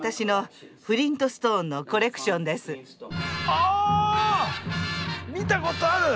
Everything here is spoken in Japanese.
あ見たことある！